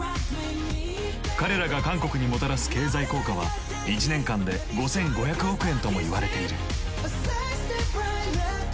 彼らが韓国にもたらす経済効果は１年間で５５００億円ともいわれている。